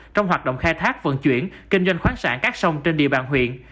trong hoạt động khai thác vận chuyển kinh doanh khoáng sản các sông trên địa bàn huyện